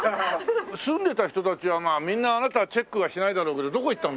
住んでた人たちはみんなあなたはチェックはしないだろうけどどこ行ったんだろう？